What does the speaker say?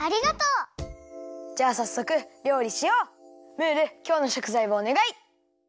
ムールきょうのしょくざいをおねがい。